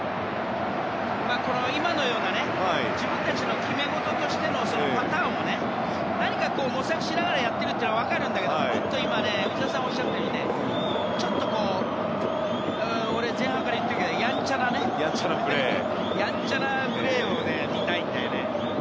今のような自分たちの決め事としてのパターンを何か模索しながらやっているのは分かるんだけど、もっと内田さんがおっしゃったように俺、前半から言ってるけどやんちゃなプレーを見たいんだよね。